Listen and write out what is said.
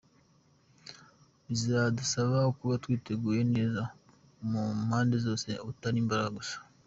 Bizadusaba kuba twiteguye neza mu mpande zose atari imbaraga gusa.